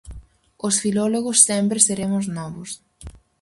Os filólogos sempre seremos novos.